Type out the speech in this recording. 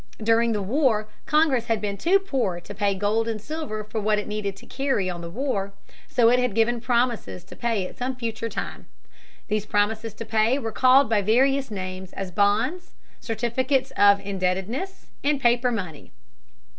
During the war Congress had been too poor to pay gold and silver for what it needed to carry on the war. So it had given promises to pay at some future time. These promises to pay were called by various names as bonds, certificates of indebtedness, and paper money.